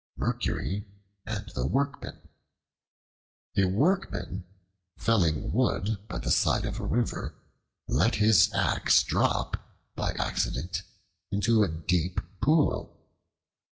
Mercury and the Workmen A WORKMAN, felling wood by the side of a river, let his axe drop by accident into a deep pool.